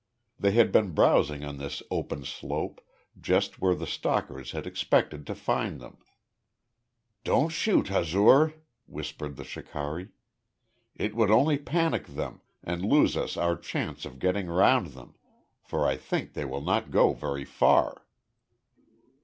They had been browsing on this open slope, just where the stalkers had expected to find them. "Don't shoot, Hazur," whispered the shikari. "It would only panic them, and lose us our chance of getting round them, for I think they will not go very far."